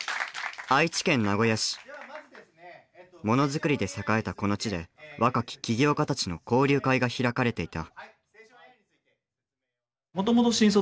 ものづくりで栄えたこの地で若き起業家たちの交流会が開かれていた。